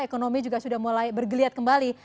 ekonomi juga sudah mulai bergeliat kembali